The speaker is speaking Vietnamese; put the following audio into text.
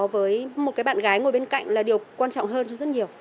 với một cái bạn gái ngồi bên cạnh là điều quan trọng hơn rất nhiều